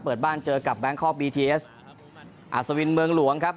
เปิดบ้านเจอกับแบงคอกบีทีเอสอัศวินเมืองหลวงครับ